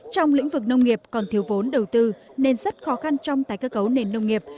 trong lĩnh vực nông nghiệp còn thiếu vốn đầu tư nên rất khó khăn trong tái cơ cấu nền nông nghiệp